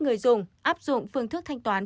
người dùng áp dụng phương thức thanh toán